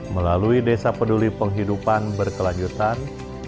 melalui desa peduli penghidupan berkelanjutan